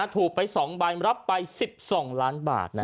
ถูกไป๒ใบรับไป๑๒ล้านบาท